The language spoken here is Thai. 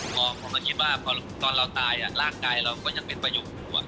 ผมก็คิดว่าตอนเราตายร่างกายเราก็ยังเป็นประหยุด